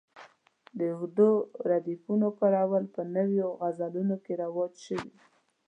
د اوږدو ردیفونو کارول په نویو غزلونو کې رواج شوي.